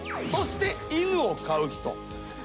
そして犬を飼う人。